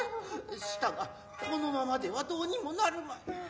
したがこの侭ではどうにもなるまい。